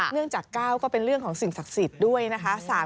เรื่องจาก๙ก็เป็นเรื่องของสิ่งศักดิ์สิทธิ์ด้วยนะคะ